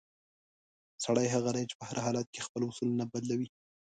سړی هغه دی چې په هر حالت کې خپل اصول نه بدلوي.